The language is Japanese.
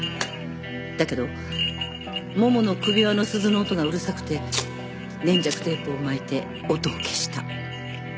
だけどモモの首輪の鈴の音がうるさくて粘着テープを巻いて音を消した。